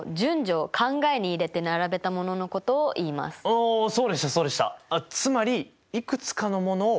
おおそうでしたそうでした。